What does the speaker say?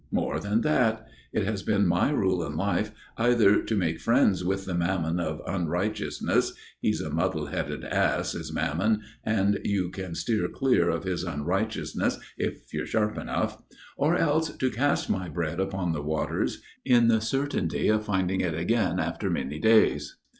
More than that. It has been my rule in life either to make friends with the Mammon of Unrighteousness he's a muddle headed ass is Mammon, and you can steer clear of his unrighteousness if you're sharp enough or else to cast my bread upon the waters in the certainty of finding it again after many days.